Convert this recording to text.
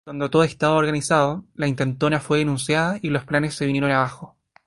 Cuando todo estaba organizado, la intentona fue denunciada y los planes se vinieron abajo.